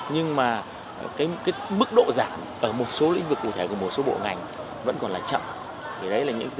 nhưng mà mức độ giảm ở một số lĩnh vực cụ thể của một số bộ ngành vẫn còn là chậm